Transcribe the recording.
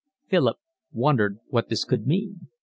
Philip wondered what this could mean.